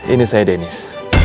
ini saya denis